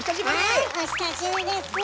はいお久しぶりです。